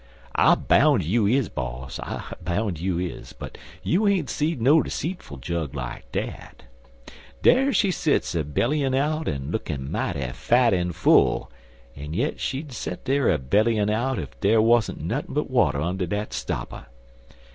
"I boun' you is, boss; I boun' you is. But you ain't seed no seetful jug like dat. Dar she sets a bellyin' out an' lookin' mighty fat an' full, an' yit she'd set dar a bellyin' out ef dere wuzzent nuthin' but win' under dat stopper.